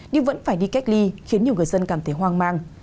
nhưng vẫn phải đi cách ly khiến nhiều người dân cảm thấy hoang mang